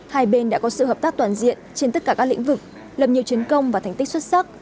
hai bên đã có sự hợp tác toàn diện trên tất cả các lĩnh vực lập nhiều chiến công và thành tích xuất sắc